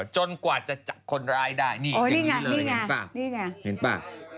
จนกว่าจะจับคนร้ายได้นี่เป็นอย่างนี้เลยเห็นป่ะ